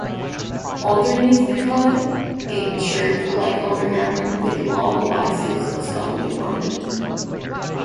Underneath the coat, a shirt-like undergarment with long, wide sleeves was commonly worn.